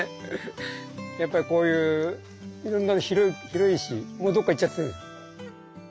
やっぱりこういう広いしもうどっか行っちゃってる。